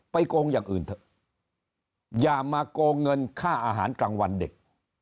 โกงอย่างอื่นเถอะอย่ามาโกงเงินค่าอาหารกลางวันเด็ก